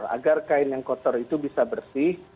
agar kain yang kotor itu bisa bersih